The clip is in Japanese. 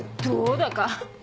どうだか。